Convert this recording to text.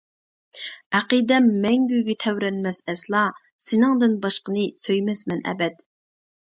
ئەقىدەم مەڭگۈگە تەۋرەنمەس ئەسلا، سېنىڭدىن باشقىنى سۆيمەسمەن ئەبەد.